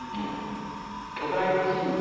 巨大地震です。